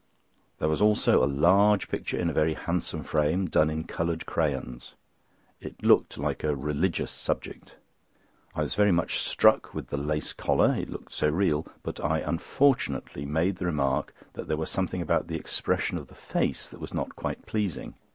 There was also a large picture in a very handsome frame, done in coloured crayons. It looked like a religious subject. I was very much struck with the lace collar, it looked so real, but I unfortunately made the remark that there was something about the expression of the face that was not quite pleasing.